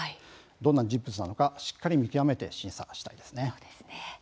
どんな人物なのかしっかり見極めて審査をしたいですね。